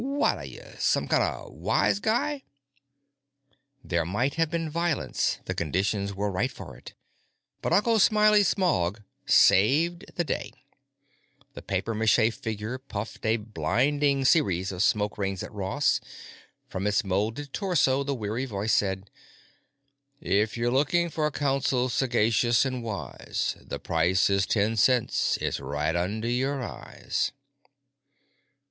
Whaddya, some kind of a wise guy?" There might have been violence; the conditions were right for it. But Uncle Smiley Smog saved the day. The papier mâché figure puffed a blinding series of smoke rings at Ross. From its molded torso, the weary voice said: "If you're looking for counsel sagacious and wise, The price is ten cents. It's right under your eyes."